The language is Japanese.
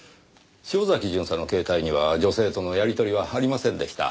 潮崎巡査の携帯には女性とのやり取りはありませんでした。